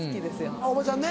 あっおばちゃんね。